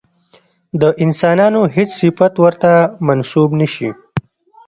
د انسانانو هېڅ صفت ورته منسوب نه شي.